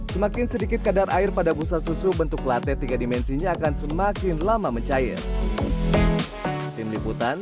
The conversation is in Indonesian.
semakin sedikit kadar air pada busa susu bentuk latte tiga dimensinya akan semakin lama mencair